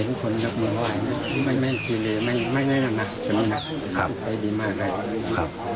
มีคนที่รักมือไลน์ชะมันเลยครับ